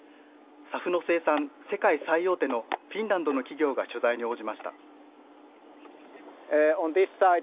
ＳＡＦの生産、世界最大手のフィンランドの企業が取材に応じました。